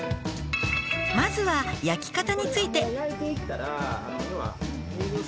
「まずは焼き方について」